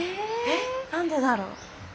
え何でだろう？